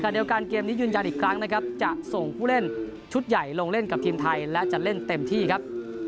เดียวกันเกมนี้ยืนยันอีกครั้งนะครับจะส่งผู้เล่นชุดใหญ่ลงเล่นกับทีมไทยและจะเล่นเต็มที่ครับ